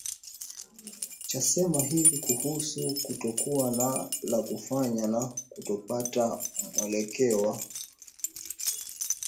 chasema hivi kuhusu kutokuwa na la kufanya na kutopata mwelekezo wa